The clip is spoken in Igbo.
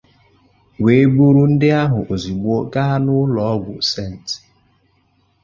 wee buru ndị ahụ ozigbo gaa n'ụlọ ọgwụ 'St